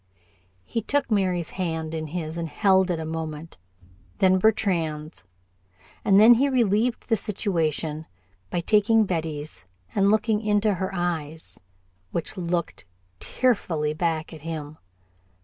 He took Mary's hand in his and held it a moment, then Bertrand's, and then he relieved the situation by taking Betty's and looking into her eyes, which looked tearfully back at him.